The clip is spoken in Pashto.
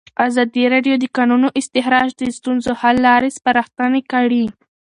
ازادي راډیو د د کانونو استخراج د ستونزو حل لارې سپارښتنې کړي.